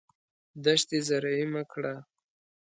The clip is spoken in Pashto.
دښتې زرعي مه کړه.